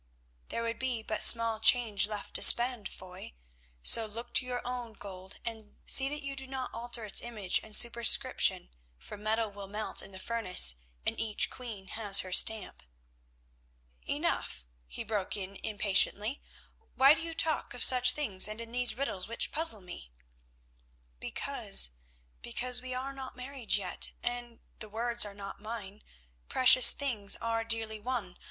"There would be but small change left to spend, Foy, so look to your own gold and—see that you do not alter its image and superscription, for metal will melt in the furnace, and each queen has her stamp." "Enough," he broke in impatiently. "Why do you talk of such things, and in these riddles which puzzle me?" "Because, because, we are not married yet, and—the words are not mine—precious things are dearly won.